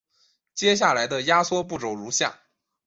接下来的压缩步骤如下。